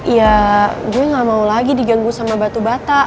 ya gue gak mau lagi diganggu sama batu bata